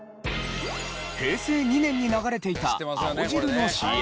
平成２年に流れていた青汁のＣＭ。